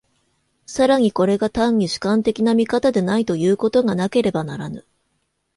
更にこれが単に主観的な見方でないということがなければならぬ。